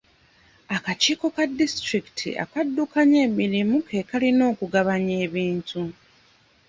Akakiiko ka disitulikiti akaddukanya emirimu ke kalina okugabanya ebintu.